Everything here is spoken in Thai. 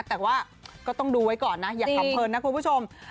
แต่ว่าก็ต้องดูไว้ก่อนนะอย่าคำเพลินนะคุณผู้ชม